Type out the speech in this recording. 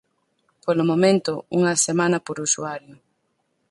Polo momento, unha á semana por usuario.